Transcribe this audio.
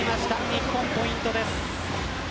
日本、ポイントです。